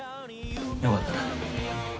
よかったな。